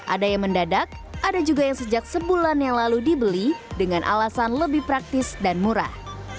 ada yang mendadak ada juga yang sejak sebulan yang lalu dibeli dengan alasan lebih praktis dan murah